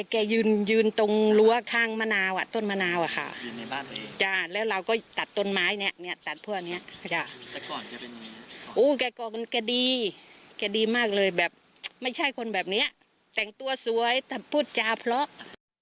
แกยืนตรงรั้วข้างมะนาวต้นมะนาวค่ะแล้วเราก็ตัดต้นไม้เนี่ยตัดพวกเนี่ยแกดีแกดีมากเลยแบบไม่ใช่คนแบบเนี้ยแต่งตัวสวยแต่พูดจาเพราะ